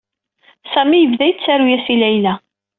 Sami yebda yettaru-as i Layla.